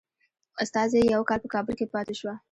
استازی یو کال په کابل کې پاته شو.